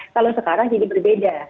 kalau sekarang jadi berbeda